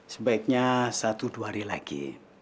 sebaiknya satu dua hari lagi